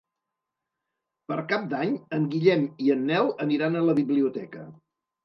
Per Cap d'Any en Guillem i en Nel aniran a la biblioteca.